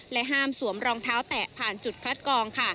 และห้ามสวมรองเท้าแตะผ่านจุดคัดกรอง